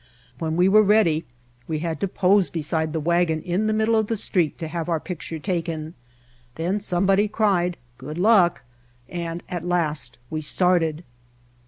When we were ready we had to pose beside the wagon in the middle of the street to have our picture taken. Then somebody cried "Good luck!" and at last we started.